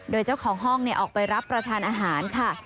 โดยเจ้าของห้องออกไปรับประทานอาหารค่ะ